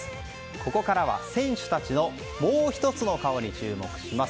ここからは選手たちのもう１つの顔に注目します。